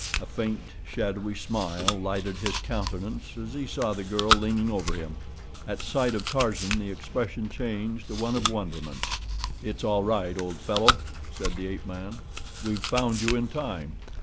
A faint, shadowy smile lighted his countenance as he saw the girl leaning over him. At sight of Tarzan the expression changed to one of wonderment. "It's all right, old fellow," said the ape man. "We've found you in time.